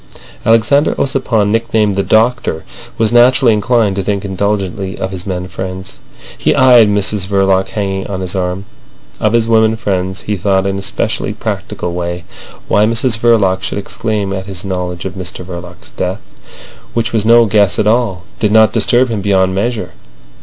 Alexander Ossipon, nicknamed the Doctor, was naturally inclined to think indulgently of his men friends. He eyed Mrs Verloc hanging on his arm. Of his women friends he thought in a specially practical way. Why Mrs Verloc should exclaim at his knowledge of Mr Verloc's death, which was no guess at all, did not disturb him beyond measure.